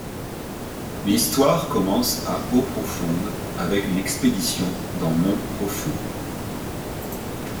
L'histoire commence à Eauprofonde, avec une expédition dans Montprofond.